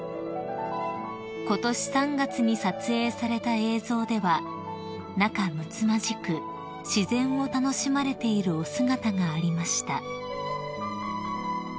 ［ことし３月に撮影された映像では仲むつまじく自然を楽しまれているお姿がありました］